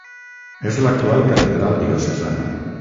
És l'actual catedral diocesana.